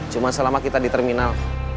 cuma selama kita di terminal